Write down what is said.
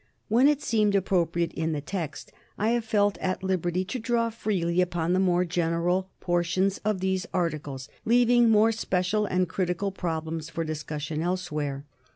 When it seemed appropriate in the text, I have felt at liberty to draw freely upon the more general por tions of these articles, leaving more special and critical problems for discussion elsewhere.